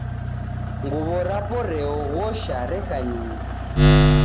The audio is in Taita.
Nguwo rapo re oghosha reka nyingi.